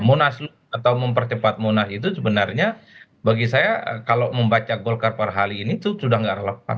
munas luk atau mempercepat munas itu sebenarnya bagi saya kalau membaca golkar perhali ini tuh sudah gak relepas